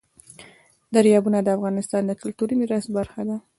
دریابونه د افغانستان د کلتوري میراث برخه ده.